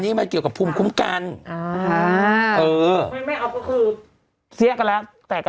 ไม่เอาเดี๋ยวคือแสะกันละ